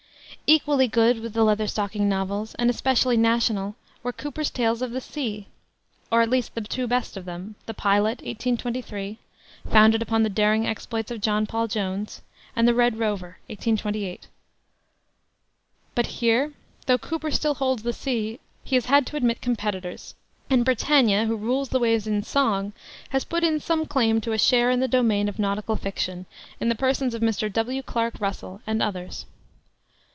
Equally good with the Leatherstocking novels, and especially national, were Cooper's tales of the sea, or at least the two best of them the Pilot, 1823, founded upon the daring exploits of John Paul Jones, and the Red Rover, 1828. But here, though Cooper still holds the sea, he has had to admit competitors; and Britannia, who rules the waves in song, has put in some claim to a share in the domain of nautical fiction in the persons of Mr. W. Clarke Russell and others.